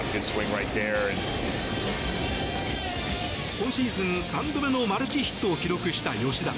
今シーズン３度目のマルチヒットを記録した吉田。